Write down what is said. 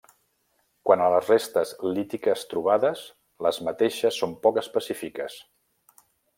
Quant a les restes lítiques trobades, les mateixes són poc específiques.